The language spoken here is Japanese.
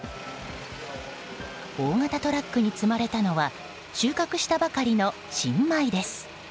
大型トラックに積まれたのは収穫したばかりの新米です。